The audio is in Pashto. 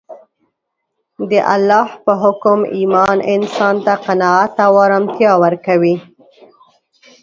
د الله په حکم ایمان انسان ته قناعت او ارامتیا ورکوي